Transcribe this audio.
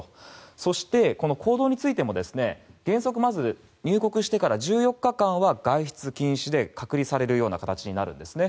そして、この行動についても原則まず入国してから１４日間は外出禁止で隔離される形になります。